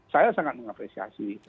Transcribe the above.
saya sangat mengapresiasi